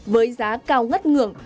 với giá cao ngất ngưỡng